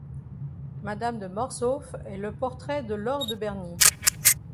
Madame de Mortsauf est le portrait de Laure de Berny.